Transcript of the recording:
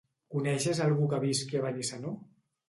Coneixes algú que visqui a Benissanó?